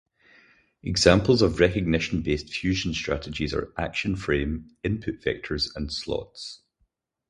Examples of recognition-based fusion strategies are action frame, input vectors and slots.